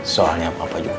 soalnya papa juga